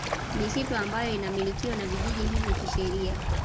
Misitu ambayo inamilikiwa na vijiji hivyo kisheria